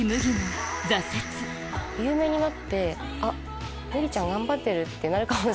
有名になって「麦ちゃん頑張ってる」ってなるかも。